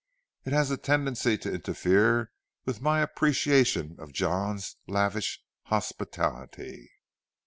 It has a tendency to interfere with my appreciation of John's lavish hospitality."